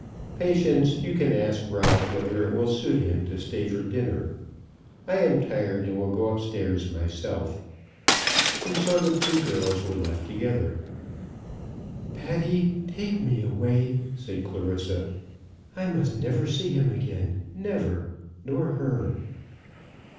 Patience, you can ask Ralph whether it will suit him to stay for dinner. I am tired and will go up stairs myself." And so the two girls were left together. "Patty, take me away," said Clarissa. "I must never see him again, never! nor her."